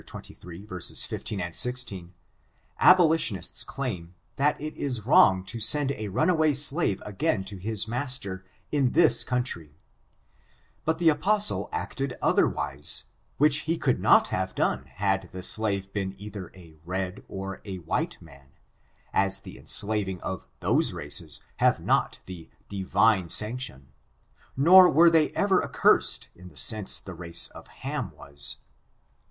xxiii, 16, 16, abolitionists claim that it is wrong to send a runaway slave again to his master, in this country; but the apostle acted otherwise, which he could not have done had the slave been cither a red or a white man — as the enslaving of those races have not the ^^^^^^%^^^^^%^^^ 312 ORIGIN, CHARACTER, AND Divine sanction, nor were they ever accursed in the sense the race of Ham was.